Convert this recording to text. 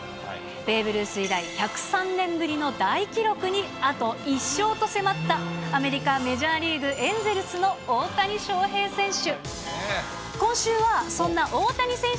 ベーブ・ルース以来、１０３年ぶりの大記録にあと１勝と迫った、アメリカメジャーリーグ・エンゼルスの大谷翔平選手。